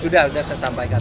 sudah sudah saya sampaikan